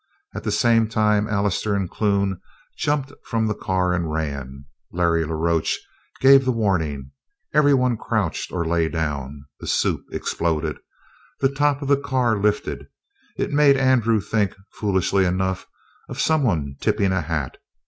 At the same time Allister and Clune jumped from the car and ran. Larry la Roche gave the warning. Every one crouched or lay down. The soup exploded. The top of the car lifted. It made Andrew think, foolishly enough, of someone tipping a hat.